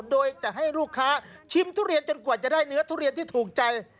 โดยจะให้ลูกค้าชิมทุเรียนจนกว่าจะได้เนื้อทุเรียนที่ถูกใจ